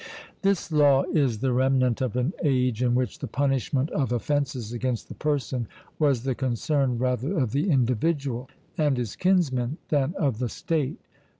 This law is the remnant of an age in which the punishment of offences against the person was the concern rather of the individual and his kinsmen than of the state...